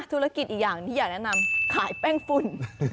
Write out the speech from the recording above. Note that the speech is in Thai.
ธุรกิจอีกอย่างที่อยากแนะนำขายแป้งฝุ่น